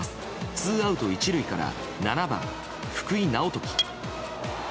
ツーアウト１塁から７番、福井直睦。